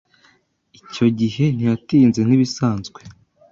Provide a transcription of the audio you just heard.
Icyo gihe ntiyatinze nk’ibisanzwe,